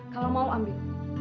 kalau mau ambil